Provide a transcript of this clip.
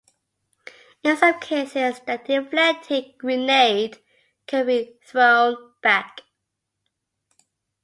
In some cases, the deflected grenade could be thrown back.